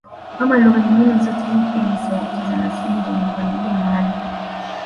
Kama lugha nyingine zote hii pia ni sauti za nasibu zenye mpangilio maalumu